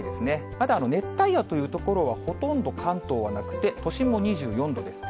ただ熱帯夜という所はほとんど関東はなくて、都心も２４度です。